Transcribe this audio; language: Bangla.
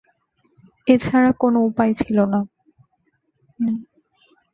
এছাড়া কোনো উপায় ছিল না।